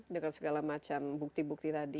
dengan segala macam bukti bukti tadi